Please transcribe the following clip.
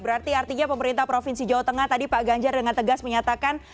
berarti artinya pemerintah provinsi jawa tengah tadi pak ganjar dengan tegas menyatakan